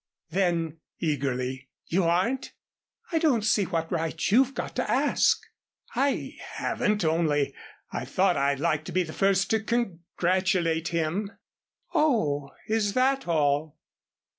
"Then," eagerly, "you aren't?" "I don't see what right you've got to ask." "I haven't only I thought I'd like to be the first to congratulate him." "Oh, is that all?"